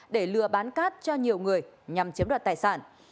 để lừa bán cát cho nhiều người nhằm chiếm đoạt tài sản